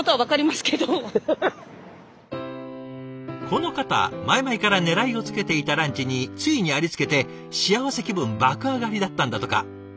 この方前々から狙いをつけていたランチについにありつけて幸せ気分爆上がりだったんだとか。